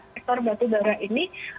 sektor batubara ini